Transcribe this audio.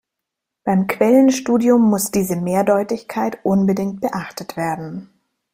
Beim Quellenstudium muss diese Mehrdeutigkeit unbedingt beachtet werden.